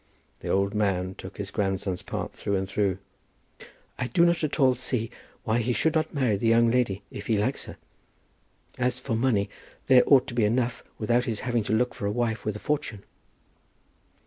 The old man took his grandson's part through and through. "I do not at all see why he should not marry the young lady if he likes her. As for money, there ought to be enough without his having to look for a wife with a fortune."